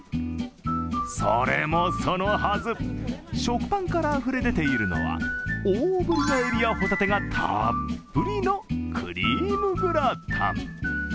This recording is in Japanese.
それもそのはず、食パンからあふれ出ているのは大ぶりなエビやホタテがたっぷりのクリームグラタン。